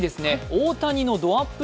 大谷のどアップ